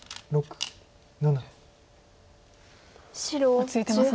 落ち着いてますね。